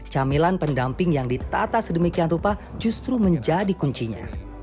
camilan pendamping yang ditata sedemikian rupa justru menjadi kuncinya